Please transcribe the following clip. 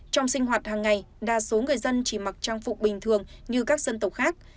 trong sinh hoạt hàng ngày đa số người dân chỉ mặc trang phục bình thường như các dân tộc khác